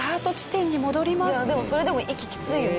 いやでもそれでも息きついよね。